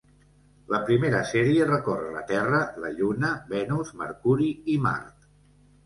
La primera sèrie recorre la Terra, la Lluna, Venus, Mercuri i Mart.